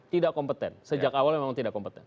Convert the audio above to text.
tidak kompeten sejak awal memang tidak kompeten